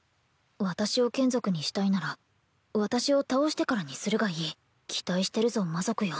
私を眷属にしたいなら私を倒してからにするがいい期待してるぞ魔族よ